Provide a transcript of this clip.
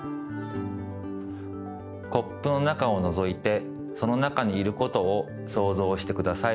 コップの中をのぞいてその中にいることをそうぞうしてください。